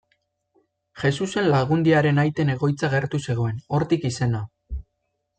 Jesusen Lagundiaren aiten egoitza gertu zegoen, hortik izena.